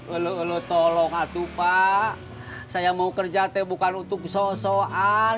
elu elu tolong atuh pak saya mau kerja teh bukan untuk sosokan